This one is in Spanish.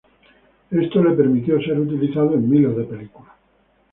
Esto le permitió ser utilizado en miles de películas.